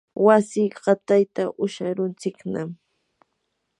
wasi qatayta usharuntsiknam.